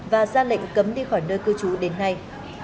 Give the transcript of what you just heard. và ra lệnh cấm đi khỏi nơi cư trú đến nay